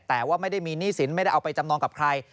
แต่ว่าไม่ได้มีหนี้สินไม่ได้เอาไปจำนองกับใคร